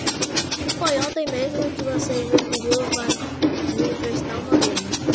Foi ontem mesmo que você me pediu para lhe emprestar uma grana.